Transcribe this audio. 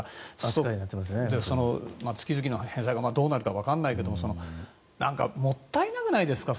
その月々の返済がどうなるかわからないけどもったいなくないですか？